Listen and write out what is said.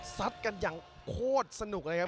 ซัดกันอย่างโคตรสนุกเลยครับ